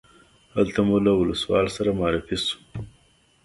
هلته مو له ولسوال سره معرفي شوو.